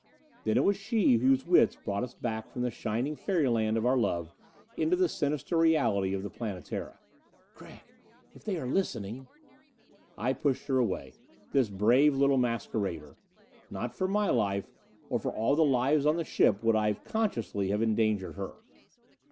Then it was she whose wits brought us back from the shining fairyland of our love, into the sinister reality of the Planetara. "Gregg, if they are listening " I pushed her away. This brave little masquerader! Not for my life, or for all the lives on the ship, would I consciously have endangered her.